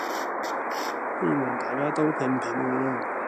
希望大家都平平安安